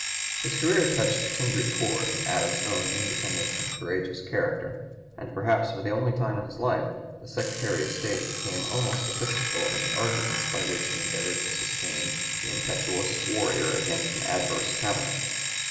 His career touched a kindred chord in Adams's own independent and courageous character, and perhaps for the only time in his life the Secretary of State became almost sophistical in the arguments by which he endeavored to sustain the impetuous warrior against an adverse Cabinet.